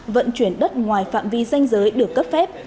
vận chuyển đất ngoài phạm vi danh giới được cấp phép